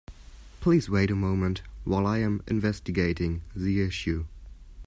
Please wait a moment while I am investigating the issue.